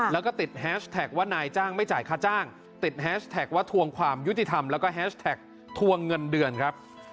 แล้วก็ติดแฮชแท็กว่านายจ้างไม่จ่ายค่าจ้างติดแฮชแท็กว่าทวงความยุติธรรมแล้วก็แฮชแท็กทวงเงินเดือนครับ